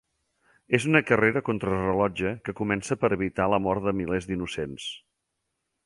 És una carrera contra rellotge que comença per evitar la mort de milers d'innocents.